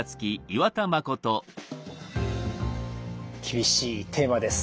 厳しいテーマです。